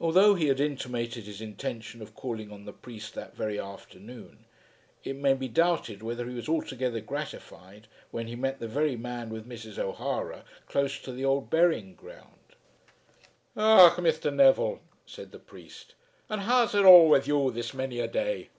Although he had intimated his intention of calling on the priest that very afternoon, it may be doubted whether he was altogether gratified when he met the very man with Mrs. O'Hara close to the old burying ground. "Ah, Mr. Neville," said the priest, "and how's it all wid you this many a day?"